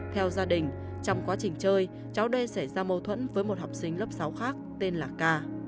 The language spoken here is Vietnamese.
theo gia đình trong quá trình chơi cháu đê xảy ra mâu thuẫn với một học sinh lớp sáu khác tên là ca